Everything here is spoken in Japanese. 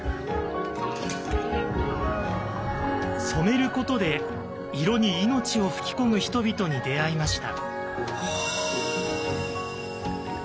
「染めること」で色に命を吹き込む人々に出会いました。